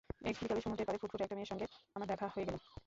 এক বিকালে সমুদ্রের পাড়ে ফুটফুটে একটা মেয়ের সঙ্গে আমার দেখা হয়ে গেল।